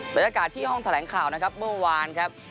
บรรยากาศที่ห้องแถลงข่าวนะครับเมื่อวานครับ